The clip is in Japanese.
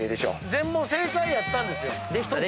全問正解やったんですよ。